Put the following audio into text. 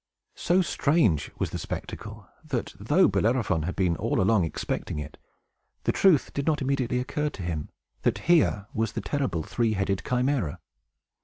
So strange was the spectacle, that, though Bellerophon had been all along expecting it, the truth did not immediately occur to him, that here was the terrible three headed Chimæra.